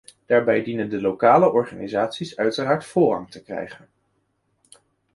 Daarbij dienen de lokale organisaties uiteraard voorrang te krijgen.